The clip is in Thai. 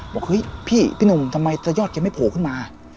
บอกเฮ้ยพี่พี่หนุ่มทำไมตะยอดแกไม่โผล่ขึ้นมา